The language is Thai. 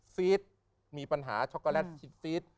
ซีดมีปัญหาช็อกโกแลตชีส